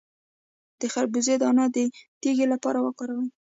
د خربوزې دانه د تیږې لپاره وکاروئ